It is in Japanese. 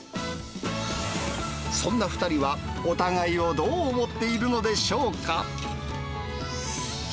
そんな２人は、お互いをどう思っているのでしょうか。